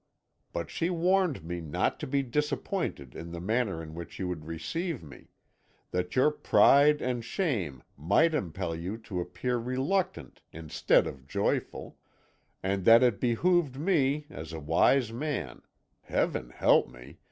But she warned me not to be disappointed in the manner in which you would receive me; that your pride and shame might impel you to appear reluctant instead of joyful, and that it behoved me, as a wise man Heaven help me!